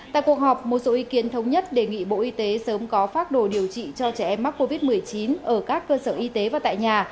tại cuộc họp một số ý kiến thống nhất đề nghị bộ y tế sớm có phác đồ điều trị cho trẻ em mắc covid một mươi chín ở các cơ sở y tế và tại nhà